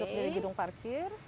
masuk dari gedung parkir